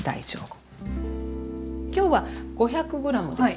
今日は５００ｇです。